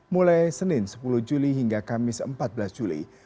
mulai senin sepuluh juli hingga kamis empat belas juli